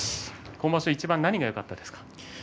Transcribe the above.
今場所いちばん何がよかったですか？